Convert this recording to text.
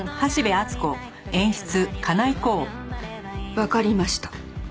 わかりました。